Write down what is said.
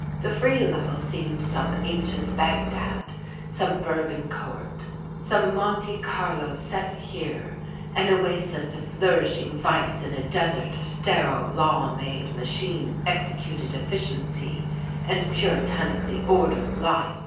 The Free Level seemed some ancient Bagdad, some Bourbon Court, some Monte Carlo set here, an oasis of flourishing vice in a desert of sterile law made, machine executed efficiency and puritanically ordered life.